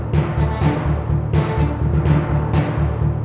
ได้ครับ